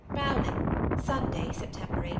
ROWLING, Sunday (September 18).